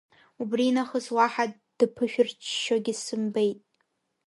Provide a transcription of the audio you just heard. Убринахыс уаҳа дыԥышәырччогьы сымбеит.